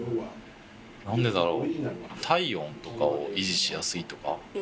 なんでだろう？